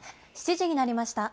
７時になりました。